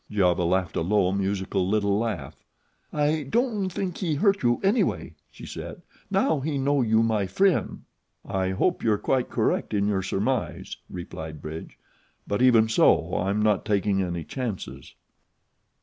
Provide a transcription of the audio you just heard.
Giova laughed a low, musical little laugh. "I don' think he no hurt you anyway," she said. "Now he know you my frien'." "I hope you are quite correct in your surmise," replied Bridge. "But even so I'm not taking any chances."